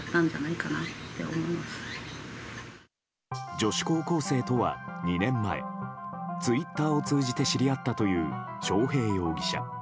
女子高校生とは２年前、ツイッターを通じて知り合ったという章平容疑者。